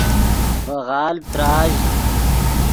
ڤے غالڤ تراژ